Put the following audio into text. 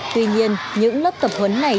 tuy nhiên những lớp tập huấn này